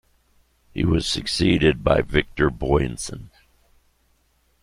He was succeeded by Victor Boysen.